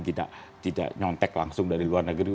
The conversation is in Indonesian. tidak nyontek langsung dari luar negeri